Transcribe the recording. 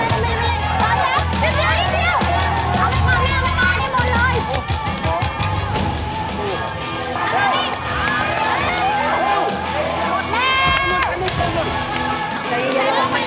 กำลังไปเร็วขาไป